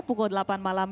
pukul delapan malam